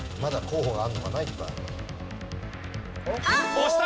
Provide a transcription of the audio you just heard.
押した！